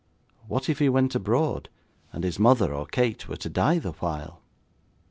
What if he went abroad, and his mother or Kate were to die the while?